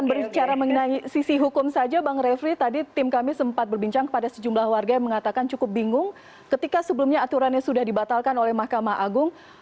berbicara mengenai sisi hukum saja bang refli tadi tim kami sempat berbincang kepada sejumlah warga yang mengatakan cukup bingung ketika sebelumnya aturannya sudah dibatalkan oleh mahkamah agung